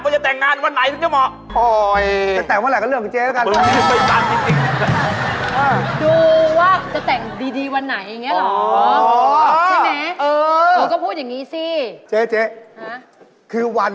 จะแต่งเวลาก็เลิกกับเจ๊ก็ได้